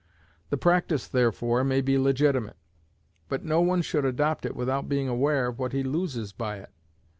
The practice, therefore, may be legitimate; but no one should adopt it without being aware of what he loses by it.